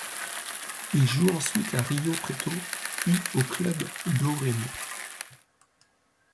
Il joue ensuite à Rio Preto puis au Clube do Remo.